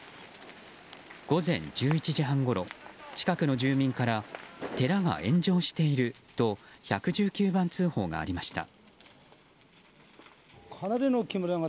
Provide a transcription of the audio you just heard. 午前１１時半ごろ近くの住民から寺が炎上していると１１９番通報がありました。